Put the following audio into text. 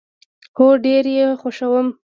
هو، ډیر یی خوښوم